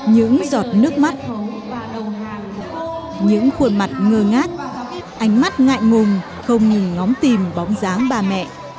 những giọt nước mắt những khuôn mặt ngơ ngát ánh mắt ngại ngùng không ngừng ngóng tìm bóng dáng ba mẹ